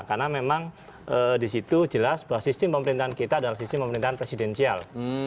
karena memang di situ jelas bahwa sistem pemerintahan kita adalah sistem pemerintahan presidensial